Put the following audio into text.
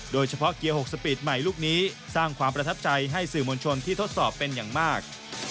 โดยเฉพาะเกียร์๖สปีดใหม่ลูกนี้สร้างความประทับใจให้สื่อมวลชนที่ทดสอบเป็นอย่างมาก